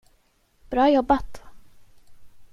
Bra jobbat!